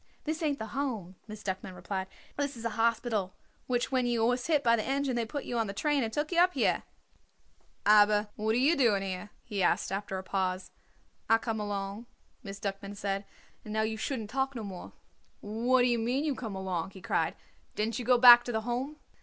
"This ain't the Home," Miss Duckman explained. "This is a hospital, which when you was hit by the engine they put you on the train and took you up here." "Aber what are you doing here?" he asked after a pause. "I come along," Miss Duckman said; "and now you shouldn't talk no more." "What d'ye mean, you come along?" he cried. "Didn't you go back to the Home?"